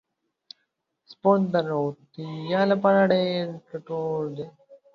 سپورت د روغتیا لپاره ډیر ګټور دی.